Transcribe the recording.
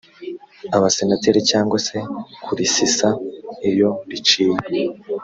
abasenateri cyangwa se kurisesa iyo riciye